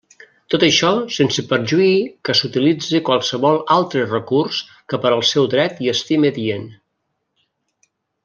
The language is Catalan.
Tot això sense perjuí que s'utilitze qualsevol altre recurs que per al seu dret hi estime adient.